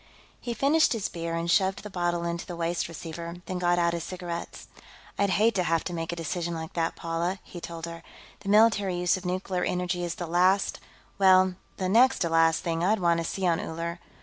He finished his beer and shoved the bottle into the waste receiver, then got out his cigarettes. "I'd hate to have to make a decision like that, Paula," he told her. "The military use of nuclear energy is the last well, the next to last thing I'd want to see on Uller.